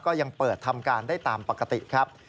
ก็ยังเปิดทำการได้ตามปกติครับ